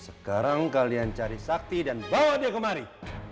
sekarang kalian cari sakti dan bawa dia kemari